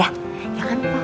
ya kan pak